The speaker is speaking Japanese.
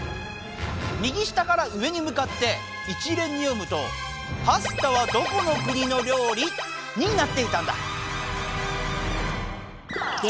右下から上にむかって一連に読むと「パスタはどこのくにのりょうり？」になっていたんだ。